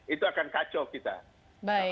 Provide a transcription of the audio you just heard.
itu akan kacau kita